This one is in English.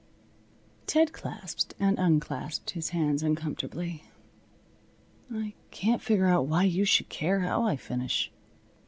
Ted clasped and unclasped his hands uncomfortably. "I can't figure out why you should care how I finish."